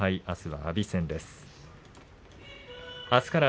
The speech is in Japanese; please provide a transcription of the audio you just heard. あすは阿炎戦です。